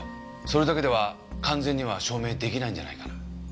それだけでは完全には証明出来ないんじゃないかな。